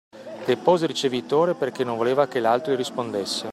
Depose il ricevitore, perché non voleva che l'altro gli rispondesse.